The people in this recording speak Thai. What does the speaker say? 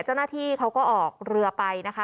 เจ้าหน้าที่เขาก็ออกเรือไปนะคะ